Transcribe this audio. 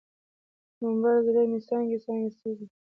نومبره، زړه مې څانګې، څانګې سوزي